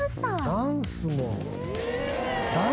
ダンスも。